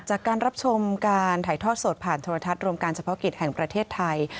จากการรับชมการถ่ายทอดสดผ่านโทรทัศน์รวมการเฉพาะกิจแห่งประเทศไทย